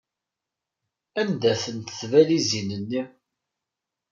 Anda-tent tbalizin-nni?